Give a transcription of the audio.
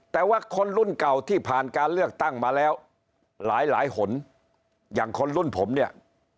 แต่ว่าคนรุ่นเก่าที่ผ่านการเลือกตั้งมาแล้วหลายหลายหนอย่างคนรุ่นผมเนี่ย